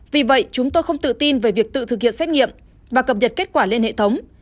vì vậy chúng tôi không tự tin về việc tự thực hiện xét nghiệm và cập nhật kết quả lên hệ thống